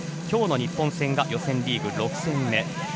今日の日本戦が予選リーグ６戦目。